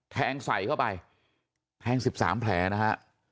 แทงใส่เข้าไปแทง๑๓แผลนะฮะ